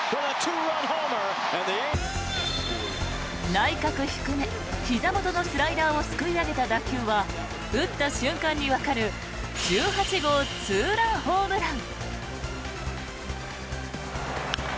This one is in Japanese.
内角低めひざ元のスライダーをすくい上げた打球は打った瞬間にわかる１８号ツーランホームラン。